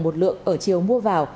một lượng ở chiều mua vào